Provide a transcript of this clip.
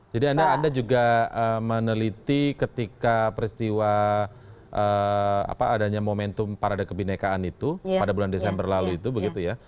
jadi anda juga meneliti ketika peristiwa apa adanya momentum parade kebhinnekaan itu pada bulan desember lalu itu begitu ya